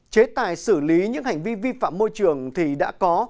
chế tài xử lý những hành vi vi phạm môi trường thì đã có